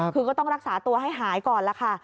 คือก็ต้องรักษาตัวให้หายก่อนล่ะค่ะ